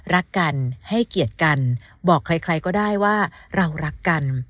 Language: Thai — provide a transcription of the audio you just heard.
รักกันให้เกียรติกันบอกใครก็ได้ว่าเรารักกัน